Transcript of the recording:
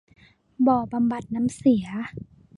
บ่อบำบัดน้ำเสีย